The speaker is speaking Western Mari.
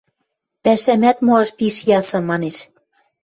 Пӓшӓмӓт моаш пиш ясы... – манеш.